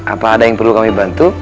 apa ada yang perlu kami bantu